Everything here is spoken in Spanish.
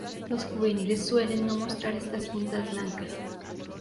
Los juveniles suelen no mostrar estas puntas blancas.